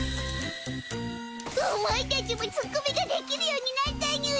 お前たちもツッコミができるようになったにゅい！